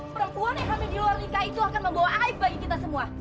perempuan yang ada di luar nikah itu akan membawa aib bagi kita semua